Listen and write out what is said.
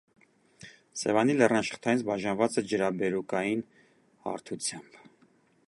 Սևանի լեռնաշղթայից բաժանված է ջրաբերուկային հարթությամբ։